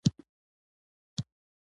ته وا د مور به یې څه حال وي.